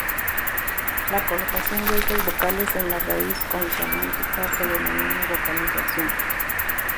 La colocación de estas vocales en la raíz consonántica se denomina "vocalización".